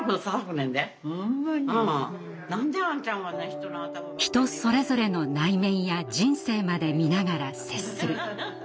人それぞれの内面や人生まで看ながら接する。